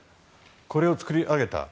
これを作り上げた。